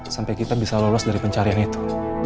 sampai kita bisa lolos dari pencarian itu